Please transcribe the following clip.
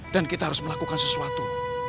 dan kita harus melakukan sesuatu